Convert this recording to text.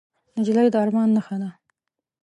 نجلۍ د ارمان نښه ده.